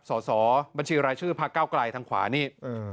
สอบบัญชีรายชื่อพักเก้าไกลทางขวานี่